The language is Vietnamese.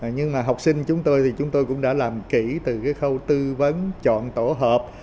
nhưng mà học sinh chúng tôi thì chúng tôi cũng đã làm kỹ từ cái khâu tư vấn chọn tổ hợp